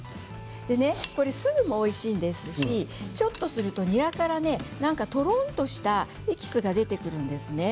これすぐでもおいしいですしちょっとするとニラからとろっとしたエキスが出てくるんです。